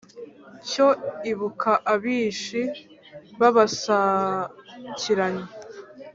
Cyo ibuka abishi babasakiranye,